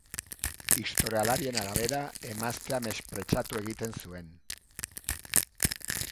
Historialarien arabera, emaztea mespretxatu egiten zuen.